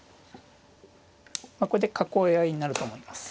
これで囲い合いになると思います。